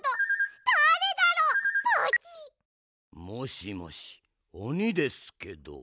もしもしおにですけど。